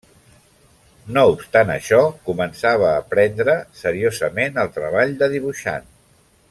No obstant això, començava a prendre seriosament el treball de dibuixant.